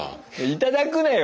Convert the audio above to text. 頂くなよ！